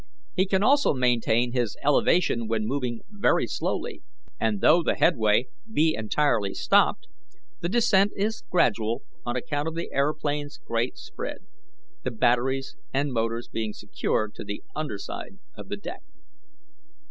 He can also maintain his elevation when moving very slowly, and though the headway be entirely stopped, the descent is gradual on account of the aeroplane's great spread, the batteries and motors being secured to the under side of the deck.